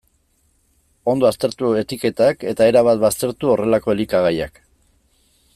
Ondo aztertu etiketak, eta erabat baztertu horrelako elikagaiak.